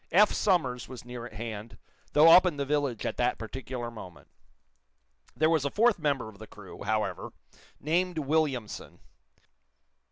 Eph Somers was near at hand, though up in the village at that particular moment. There was a fourth member of the crew, however, named Williamson.